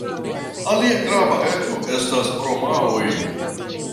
Alia grava etno estas romaoj.